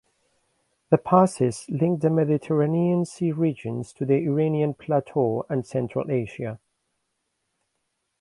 The passes linked the Mediterranean Sea regions to the Iranian Plateau and Central Asia.